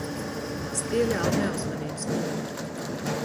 Es pieļāvu neuzmanības kļūdu.